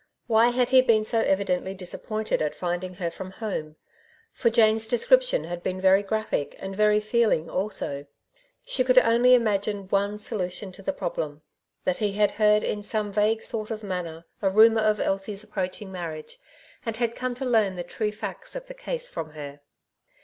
Why had he been so evidently disappointed at finding her from home? for Jane's description had been very graphic and very feeling also. She could only ims^ine one solution to the problem — that he had lieard in some vague sort of manner a rumour of Elsie's approaching marriage^ and had come to learn the true facts of the case from her.